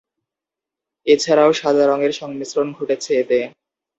এছাড়াও সাদা রঙের সংমিশ্রণ ঘটেছে এতে।